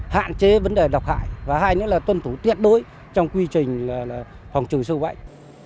hạn chế vấn đề độc hại và hai nữa là tuân thủ tuyệt đối trong quy trình phòng trừ sâu bệnh